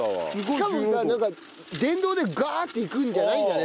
しかもさなんか電動でガーッていくんじゃないんだね。